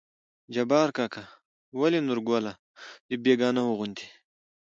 جبار کاکا: ولې نورګله د بيګانه وو غوندې